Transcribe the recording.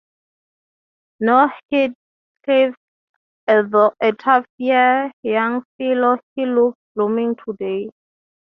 No, Heathcliff’s a tough young fellow: he looks blooming today.